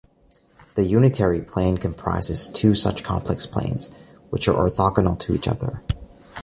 The unitary plane comprises two such complex planes, which are orthogonal to each other.